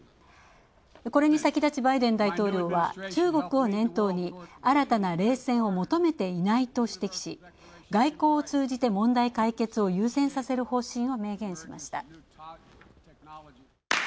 これに先立ち、バイデン大統領は中国を念頭に、新たな冷戦を求めていないと指摘し、外交を通じて問題解決を優先させる方針を明言しました。